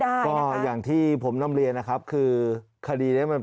ก็อย่างที่ผมนำเรียนนะครับคือคดีนี้มัน